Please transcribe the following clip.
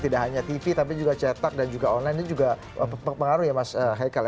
tidak hanya tv tapi juga cetak dan juga online ini juga mengaruhi mas heikal